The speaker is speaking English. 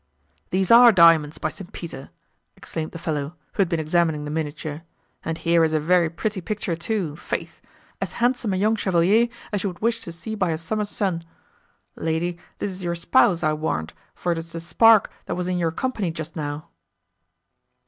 "These are diamonds, by St. Peter!" exclaimed the fellow, who had been examining the miniature, "and here is a very pretty picture too, "faith; as handsome a young chevalier, as you would wish to see by a summer's sun. Lady, this is your spouse, I warrant, for it is the spark, that was in your company just now."